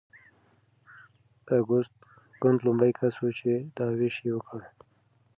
اګوست کنت لومړی کس و چې دا ویش یې وکړ.